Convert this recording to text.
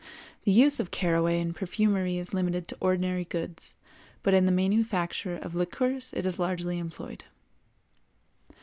The use of caraway in perfumery is limited to ordinary goods, but in the manufacture of liqueurs it is largely employed.